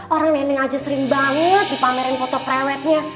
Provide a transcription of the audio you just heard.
orang neneng aja sering banget dipamerin foto prewetnya